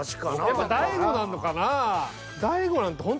やっぱり大悟なのかなぁ。